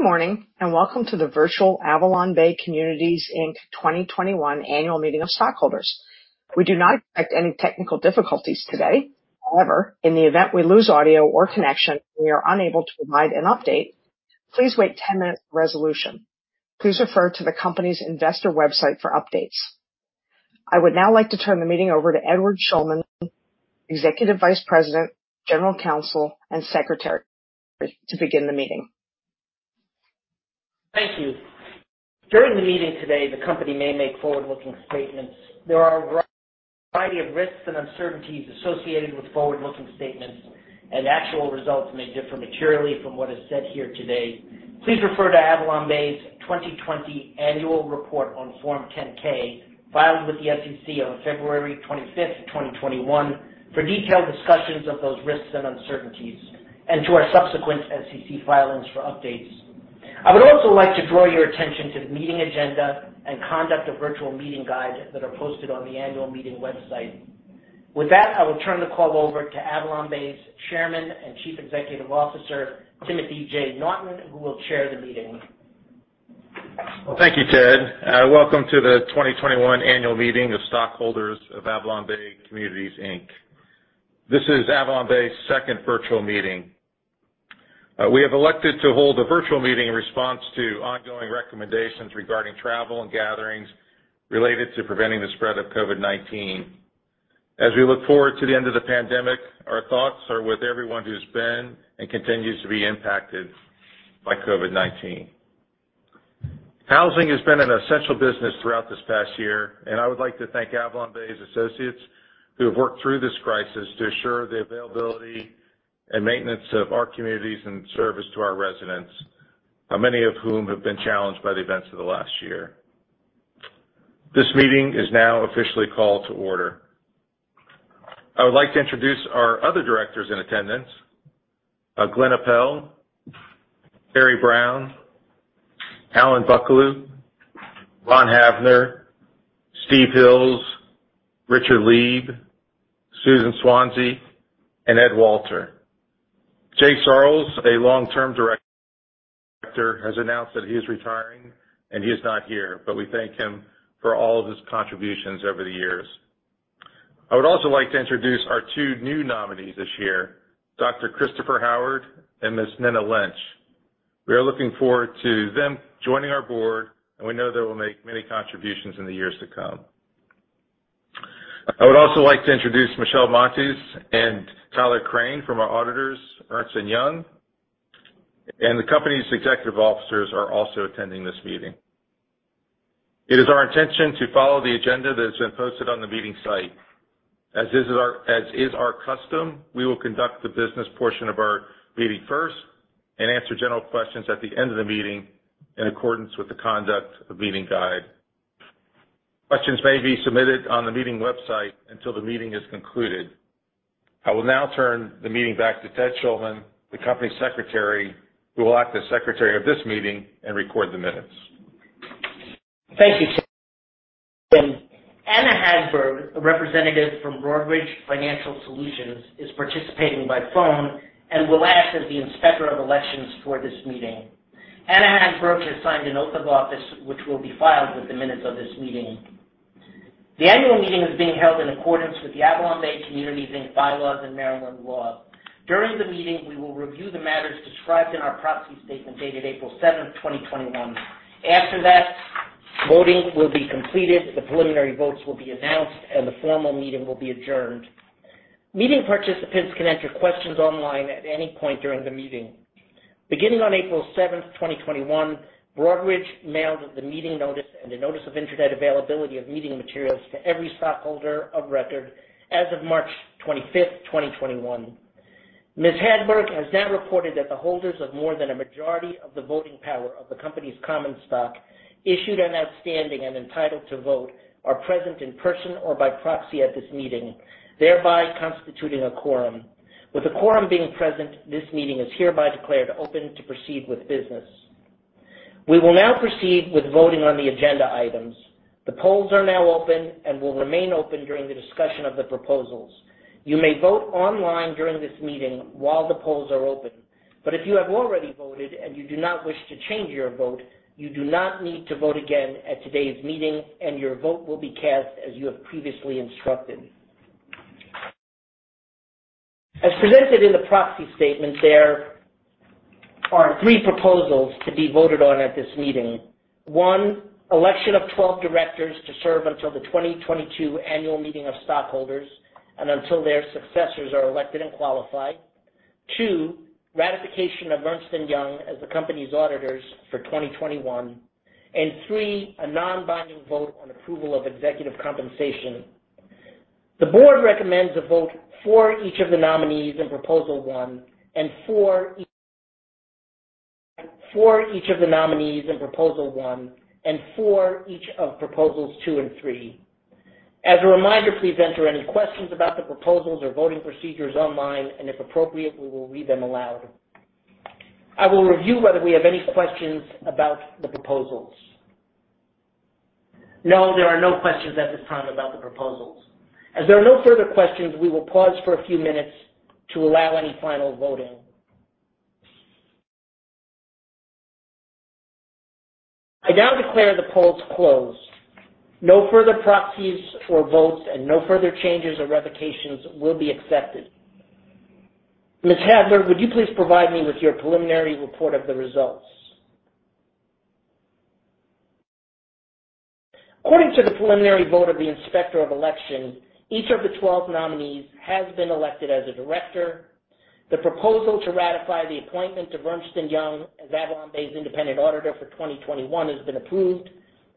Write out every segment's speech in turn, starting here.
Good morning, and welcome to the virtual AvalonBay Communities, Inc. 2021 annual meeting of stockholders. We do not expect any technical difficulties today. However, in the event we lose audio or connection and we are unable to provide an update, please wait 10 minutes for resolution. Please refer to the company's investor website for updates. I would now like to turn the meeting over to Edward Schulman, Executive Vice President, General Counsel, and Secretary to begin the meeting. Thank you. During the meeting today, the company may make forward-looking statements. There are a variety of risks and uncertainties associated with forward-looking statements, and actual results may differ materially from what is said here today. Please refer to AvalonBay's 2020 annual report on Form 10-K, filed with the SEC on February 25th, 2021, for detailed discussions of those risks and uncertainties, and to our subsequent SEC filings for updates. I would also like to draw your attention to the meeting agenda and conduct of virtual meeting guides that are posted on the annual meeting website. With that, I will turn the call over to AvalonBay's Chairman and Chief Executive Officer, Timothy J. Naughton, who will chair the meeting. Thank you, Ted, and welcome to the 2021 annual meeting of stockholders of AvalonBay Communities, Inc. This is AvalonBay's second virtual meeting. We have elected to hold a virtual meeting in response to ongoing recommendations regarding travel and gatherings related to preventing the spread of COVID-19. As we look forward to the end of the pandemic, our thoughts are with everyone who's been and continues to be impacted by COVID-19. Housing has been an essential business throughout this past year, and I would like to thank AvalonBay's associates who have worked through this crisis to assure the availability and maintenance of our communities and service to our residents, many of whom have been challenged by the events of the last year. This meeting is now officially called to order. I would like to introduce our other directors in attendance, Glyn Aeppel, Terry Brown, Alan Buckelew, Ron Havner, Steve Hills, Richard Lieb, Susan Swanezy, and Ed Walter. H. Jay Sarles, a long-term director, has announced that he is retiring and he is not here. We thank him for all of his contributions over the years. I would also like to introduce our two new nominees this year, Dr. Christopher Howard and Ms. Nnenna Lynch. We are looking forward to them joining our board, and we know they will make many contributions in the years to come. I would also like to introduce Michelle Montes and Tyler Crane from our auditors, Ernst & Young, and the company's executive officers are also attending this meeting. It is our intention to follow the agenda that has been posted on the meeting site. As is our custom, we will conduct the business portion of our meeting first and answer general questions at the end of the meeting in accordance with the conduct of meeting guide. Questions may be submitted on the meeting website until the meeting is concluded. I will now turn the meeting back to Edward Schulman, the Company Secretary, who will act as secretary of this meeting and record the minutes. Thank you. Anna Hadberg, a representative from Broadridge Financial Solutions, is participating by phone and will act as the inspector of elections for this meeting. Anna Hadberg has signed an oath of office, which will be filed with the minutes of this meeting. The annual meeting is being held in accordance with the AvalonBay Communities, Inc. bylaws and Maryland law. During the meeting, we will review the matters described in our proxy statement dated April 7th, 2021. After that, voting will be completed, the preliminary votes will be announced, and the formal meeting will be adjourned. Meeting participants can enter questions online at any point during the meeting. Beginning on April 7th, 2021, Broadridge mailed the meeting notice and the notice of internet availability of meeting materials to every stockholder of record as of March 25th, 2021. Ms. Hadberg has now reported that the holders of more than a majority of the voting power of the company's common stock issued and outstanding and entitled to vote are present in person or by proxy at this meeting, thereby constituting a quorum. With a quorum being present, this meeting is hereby declared open to proceed with business. We will now proceed with voting on the agenda items. The polls are now open and will remain open during the discussion of the proposals. You may vote online during this meeting while the polls are open, but if you have already voted and you do not wish to change your vote, you do not need to vote again at today's meeting and your vote will be cast as you have previously instructed. As presented in the proxy statement, there are three proposals to be voted on at this meeting. One, election of 12 directors to serve until the 2022 annual meeting of stockholders and until their successors are elected and qualified. Two, ratification of Ernst & Young as the company's auditors for 2021. Three, a non-binding vote on approval of executive compensation. The board recommends a vote for each of the nominees in Proposal One and for each of Proposals Two and Three. As a reminder, please enter any questions about the proposals or voting procedures online, and if appropriate, we will read them aloud. I will review whether we have any questions about the proposals No, there are no questions at this time about the proposals. As there are no further questions, we will pause for a few minutes to allow any final voting. I now declare the polls closed. No further proxies or votes and no further changes or revocations will be accepted. Ms. Hadberg, would you please provide me with your preliminary report of the results? According to the preliminary vote of the Inspector of Election, each of the 12 nominees has been elected as a director. The proposal to ratify the appointment of Ernst & Young as AvalonBay's independent auditor for 2021 has been approved,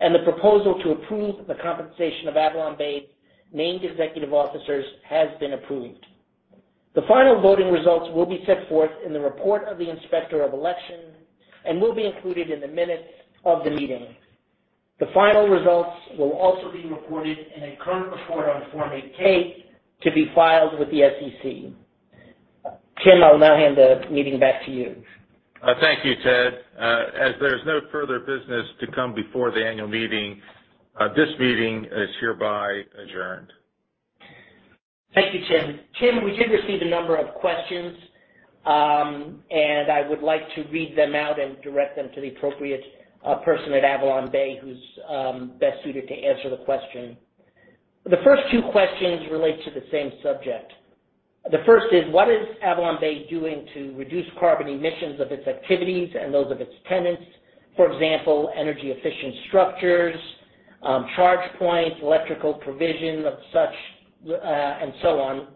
and the proposal to approve the compensation of AvalonBay's named executive officers has been approved. The final voting results will be set forth in the report of the Inspector of Elections and will be included in the minutes of the meeting. The final results will also be reported in a current report on Form 8-K to be filed with the SEC. Tim, I'll now hand the meeting back to you. Thank you, Ted. As there's no further business to come before the annual meeting, this meeting is hereby adjourned. Thank you, Tim Naughton. Tim, we did receive a number of questions, and I would like to read them out and direct them to the appropriate person at AvalonBay who's best suited to answer the question. The first two questions relate to the same subject. The first is, what is AvalonBay doing to reduce carbon emissions of its activities and those of its tenants? For example, energy-efficient structures, charge points, electrical provision of such, and so on.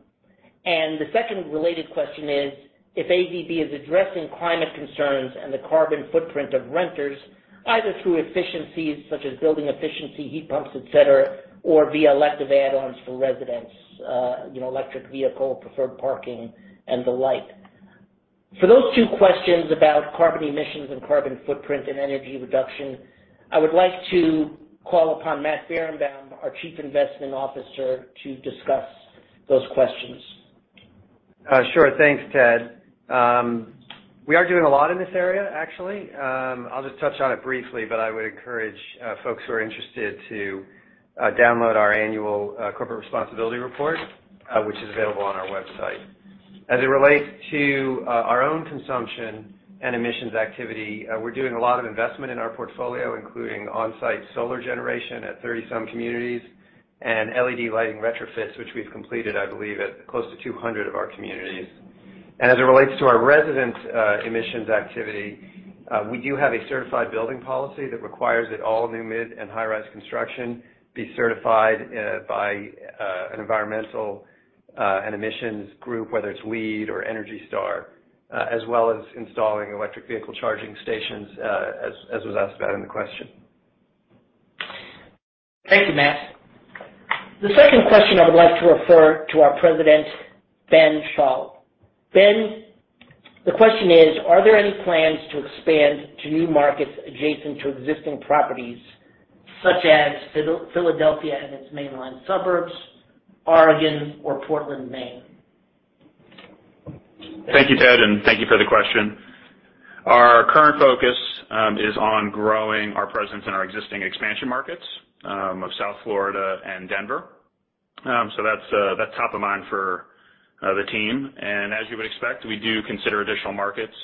The second related question is if AB is addressing climate concerns and the carbon footprint of renters, either through efficiencies such as building efficiency, heat pumps, et cetera, or via elective add-ons for residents, electric vehicle preferred parking, and the like. For those two questions about carbon emissions and carbon footprint and energy reduction, I would like to call upon Matt Birenbaum, our Chief Investment Officer, to discuss those questions. Sure. Thanks, Ted. We are doing a lot in this area, actually. I'll just touch on it briefly, but I would encourage folks who are interested to download our annual corporate responsibility report, which is available on our website. As it relates to our own consumption and emissions activity, we're doing a lot of investment in our portfolio, including on-site solar generation at 30 some communities and LED lighting retrofits, which we've completed, I believe, at close to 200 of our communities. As it relates to our residents' emissions activity, we do have a certified building policy that requires that all new mid and high-rise construction be certified by an environmental and emissions group, whether it's LEED or ENERGY STAR, as well as installing electric vehicle charging stations, as was asked about in the question. Thank you, Matt. The second question I'd like to refer to our President, Ben Schall. Ben, the question is, are there any plans to expand to new markets adjacent to existing properties such as Philadelphia and its Main Line suburbs, Oregon, or Portland, Maine? Thank you, Ted, and thank you for the question. Our current focus is on growing our presence in our existing expansion markets of South Florida and Denver. That's top of mind for the team, and as you expect, we do consider additional markets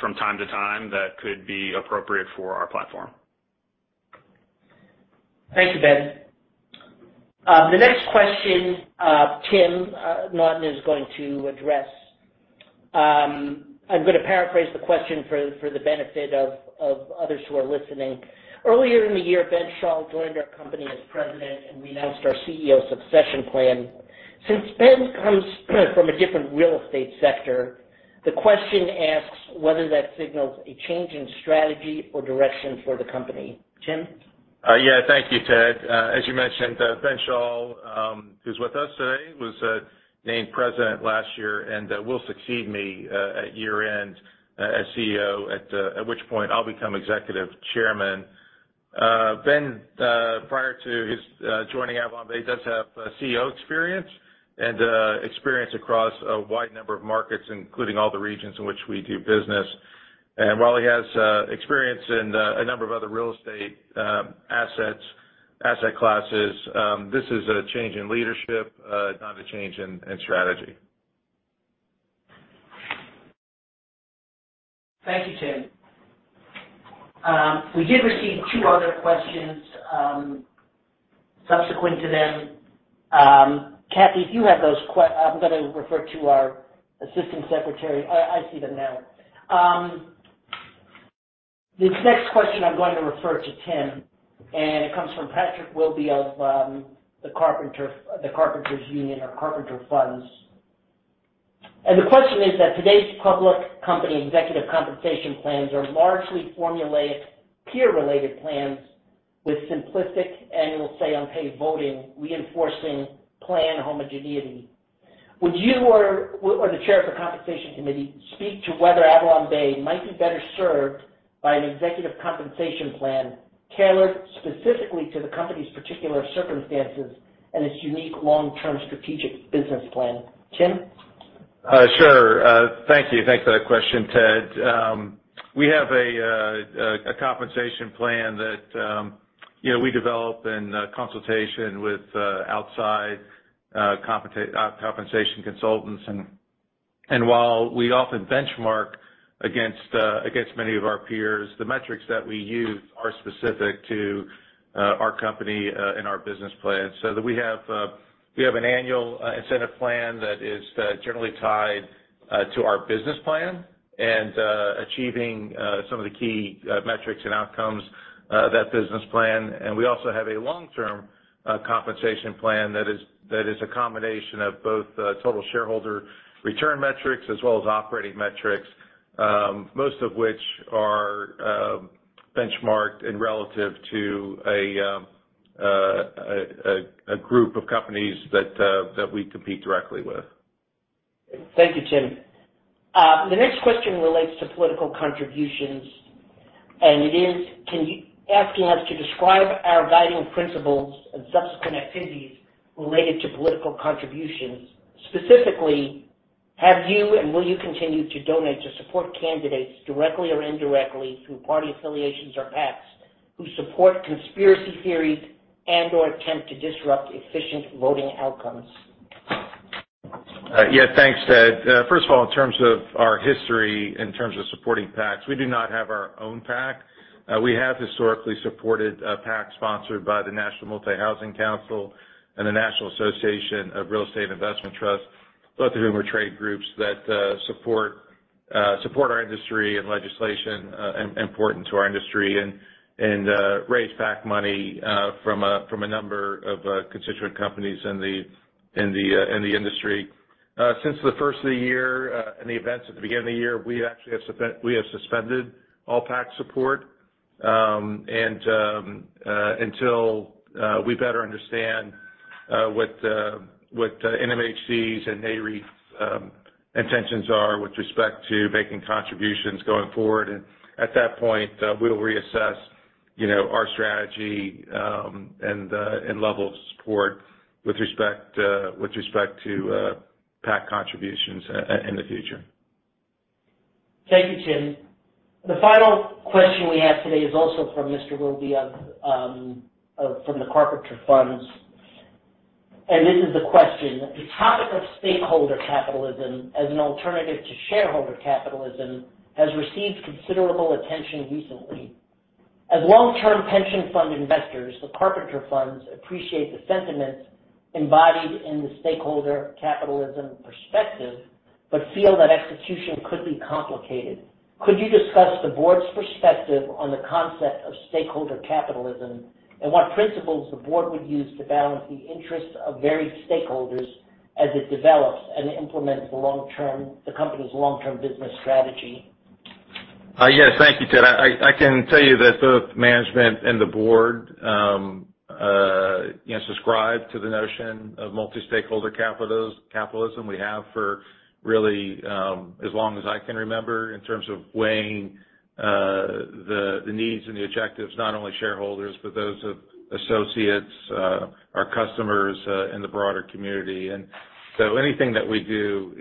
from time to time that could be appropriate for our platform. Thank you, Ben. The next question Tim Naughton is going to address. I'm going to paraphrase the question for the benefit of others who are listening. Earlier in the year, Ben Schall joined our company as president. We announced our CEO succession plan. Since Ben comes from a different real estate sector, the question asks whether that signals a change in strategy or direction for the company. Tim? Yeah. Thank you, Ted. As you mentioned, Ben Schall, who's with us today, was named President last year and will succeed me at year-end as CEO, at which point I'll become Executive Chairman. Ben, prior to his joining AvalonBay, does have CEO experience and experience across a wide number of markets, including all the regions in which we do business. While he has experience in a number of other real estate asset classes, this is a change in leadership, not a change in strategy. Thank you, Tim. We did receive two other questions subsequent to them. Kathy, do you have those? I'm going to refer to our assistant secretary. I see them now. This next question I'm going to refer to Tim, and it comes from Patrick Willoughby of the Carpenters Union or Carpenter Funds. The question is that today's public company executive compensation plans are largely formulaic, peer-related plans with simplistic annual say on pay voting reinforcing plan homogeneity. Would you or the chair of the compensation committee speak to whether AvalonBay might be better served by an executive compensation plan tailored specifically to the company's particular circumstances and its unique long-term strategic business plan? Tim? Sure. Thank you. Thanks for that question, Ted. We have a compensation plan that we develop in consultation with outside compensation consultants. While we often benchmark against many of our peers, the metrics that we use are specific to our company and our business plan, so that we have an annual incentive plan that is generally tied to our business plan and achieving some of the key metrics and outcomes of that business plan. We also have a long-term compensation plan that is a combination of both total shareholder return metrics as well as operating metrics, most of which are benchmarked and relative to a group of companies that we compete directly with. Thank you, Tim. The next question relates to political contributions, and it is asking us to describe our guiding principles and subsequent activities related to political contributions. Specifically, have you and will you continue to donate to support candidates directly or indirectly through party affiliations or PACs who support conspiracy theories and/or attempt to disrupt efficient voting outcomes? Yeah, thanks, Ted. First of all, in terms of our history in terms of supporting PACs, we do not have our own PAC. We have historically supported a PAC sponsored by the National Multifamily Housing Council and the National Association of Real Estate Investment Trusts, both of whom are trade groups that support our industry and legislation important to our industry and raise PAC money from a number of constituent companies in the industry. Since the first of the year and the events at the beginning of the year, we have suspended all PAC support until we better understand what the NMHC's and Nareit's intentions are with respect to making contributions going forward. At that point, we'll reassess our strategy and level of support with respect to PAC contributions in the future. Thank you, Tim. The final question we have today is also from Mr. Willoughby from The Carpenter Funds. This is the question. The topic of stakeholder capitalism as an alternative to shareholder capitalism has received considerable attention recently. As long-term pension fund investors, The Carpenter Funds appreciate the sentiments embodied in the stakeholder capitalism perspective but feel that execution could be complicated. Could you discuss the board's perspective on the concept of stakeholder capitalism and what principles the board would use to balance the interests of varied stakeholders as it develops and implements the company's long-term business strategy? Thank you, Ted. I can tell you that both management and the board subscribe to the notion of multi-stakeholder capitalism. We have for really as long as I can remember in terms of weighing the needs and the objectives, not only shareholders, but those of associates, our customers in the broader community. Anything that we do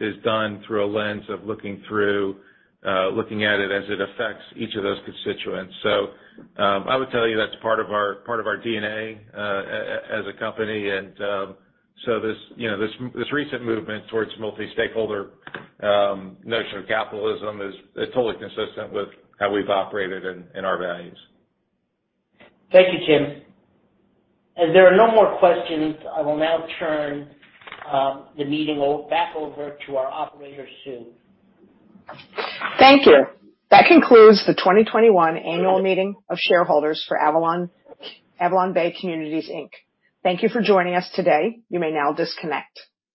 is done through a lens of looking at it as it affects each of those constituents. I would tell you that's part of our DNA as a company. This recent movement towards multi-stakeholder notion of capitalism is totally consistent with how we've operated and our values. Thank you, Tim. As there are no more questions, I will now turn the meeting back over to our operator, Sue. Thank you. That concludes the 2021 annual meeting of shareholders for AvalonBay Communities, Inc. Thank you for joining us today. You may now disconnect.